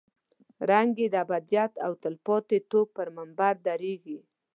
رنګ یې د ابدیت او تلپاتې توب پر منبر درېږي.